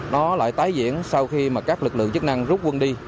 nó lại tái diễn sau khi mà các lực lượng chức năng rút quân đi